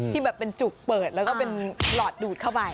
ที่แบบเป็นจุกเปิดแล้วก็เป็นหลอดดูดเข้าไป